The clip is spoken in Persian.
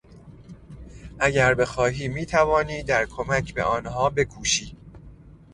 اگر بخواهی میتوانی در کمک به آنها بکوشی.